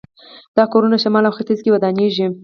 دا کورونه شمال او ختیځ کې ودانېږي.